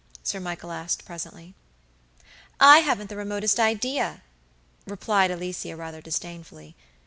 Sir Michael asked, presently. "I haven't the remotest idea," replied Alicia, rather disdainfully.